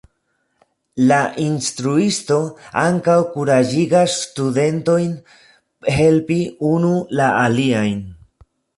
La instruisto ankaŭ kuraĝigas studentojn helpi unu la aliajn.